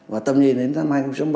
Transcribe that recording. và tầm nhìn đến năm hai nghìn ba mươi